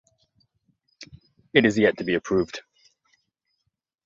It is yet to be approved.